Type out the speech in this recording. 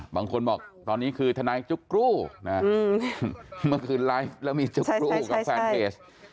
บางคนบอกตอนนี้คือทนายจุ๊กกรูนะเมื่อคืนไลฟ์แล้วมีจุ๊กกรูกับแฟนเพจ